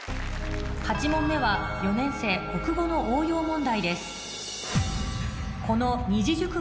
８問目は４年生国語の応用問題です